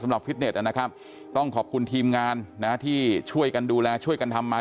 ฟิตเน็ตนะครับต้องขอบคุณทีมงานนะที่ช่วยกันดูแลช่วยกันทำมา